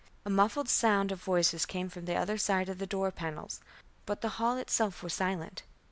A muffled sound of voices came from the other side of the door panels, but the hall itself was silent.